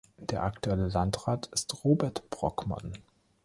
Der aktuelle Landrat ist Robert Brockman.